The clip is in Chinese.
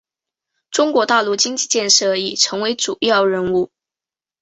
中国大陆经济建设已成为主要任务。